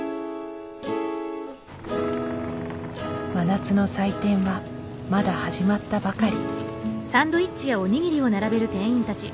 真夏の祭典はまだ始まったばかり。